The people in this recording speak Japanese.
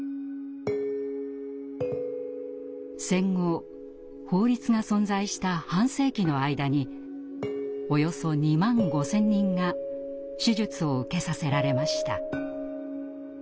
戦後法律が存在した半世紀の間におよそ２万５，０００人が手術を受けさせられました。